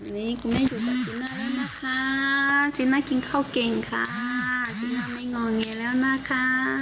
นี่คุณแม่อยู่กับจีน่าแล้วนะคะ